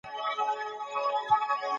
په لمانځغونډه کي مهمي پرېکړي وسوي.